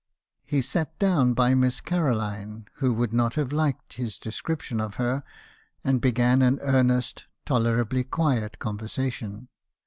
"He sat down by Miss Caroline, who would not have liked his description of her; and began an earnest, tolerably quiet conversation.